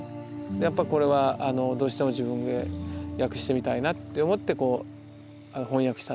やっぱこれはどうしても自分で訳してみたいなって思って翻訳したんですよ。